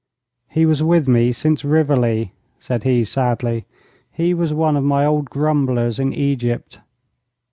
'He was with me since Rivoli,' said he, sadly. 'He was one of my old grumblers in Egypt.'